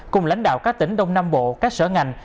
cùng lãnh đạo các tỉnh đông nam bộ các sở ngành